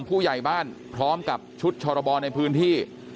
ผู้ใหญ่บ้านพร้อมกับชุดชรบรในพื้นที่